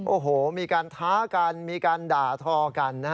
โอ้โหมีการท้ากันมีการด่าทอกันนะฮะ